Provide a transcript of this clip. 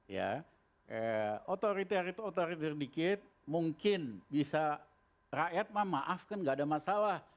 ya otoriter itu otoriter sedikit mungkin bisa rakyat maaf kan tidak ada masalah